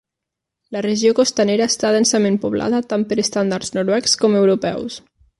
La regió costanera està densament poblada tant per estàndards noruecs com europeus.